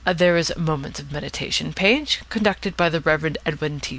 There is a "Moments of Meditation" page, conducted by the Reverend Edwin T.